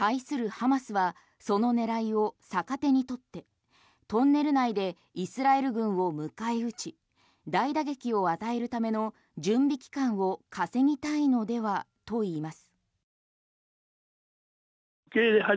ハマスはその狙いを逆手にとってトンネル内でイスラエル軍を迎え撃ち大打撃を与えるための準備期間を稼ぎたいのではといいます。